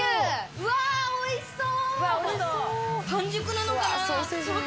うわおいしそう！